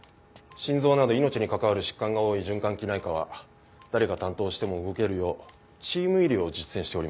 心臓など命に関わる疾患が多い循環器内科は誰が担当しても動けるようチーム医療を実践しておりまして。